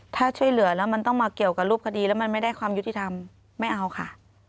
ถ้าช่วยเหลือแล้วมันต้องมาเกี่ยวกับรูปคดีแล้วมันไม่ได้ความยุติธรรมไม่เอาค่ะ